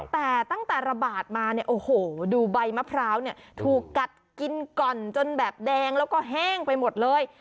แต่ตั้งแต่ระบาดมาเนี่ยโอ้โหดูใบมะพร้าวเนี่ยถูกกัดกินก่อนจนแบบแดงแล้วก็แห้งไปหมดเลย